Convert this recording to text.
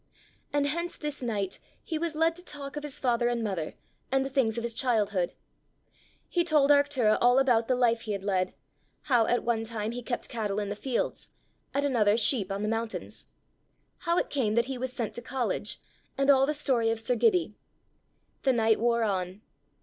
And hence this night he was led to talk of his father and mother, and the things of his childhood. He told Arctura all about the life he had led; how at one time he kept cattle in the fields, at another sheep on the mountains; how it came that he was sent to college, and all the story of sir Gibbie. The night wore on.